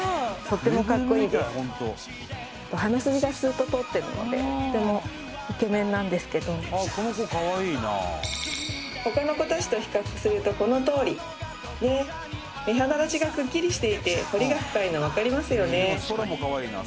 とってもかっこいいです鼻筋がスーッと通ってるのでとてもイケメンなんですけど他の子たちと比較するとこのとおりねえ目鼻立ちがくっきりしていて彫りが深いの分かりますよね？